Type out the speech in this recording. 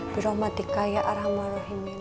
birahmatika ya arhamarrahimin